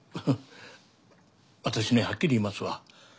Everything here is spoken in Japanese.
私ねはっきり言いますわ。